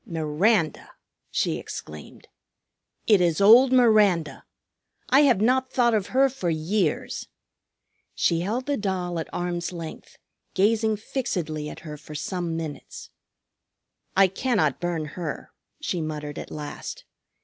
"Miranda!" she exclaimed. "It is old Miranda! I have not thought of her for years." She held the doll at arm's length, gazing fixedly at her for some minutes. "I cannot burn her," she muttered at last.